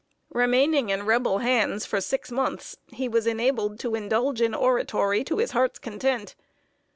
] Remaining in Rebel hands for six months, he was enabled to indulge in oratory to his heart's content.